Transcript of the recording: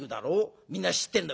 みんな知ってんだ。